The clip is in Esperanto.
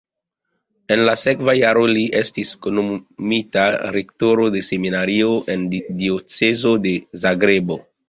En la sekva jaro li estis nomumita rektoro de seminario en diocezo de Zagrebo.